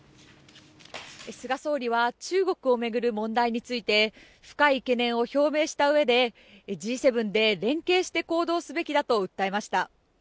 菅総理は中国をめぐる問題について深い懸念を表明した上でＧ７で連携して行動すべきだと訴えました。